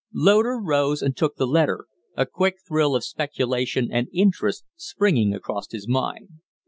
Loder rose and took the letter, a quick thrill of speculation and interest springing across his mind.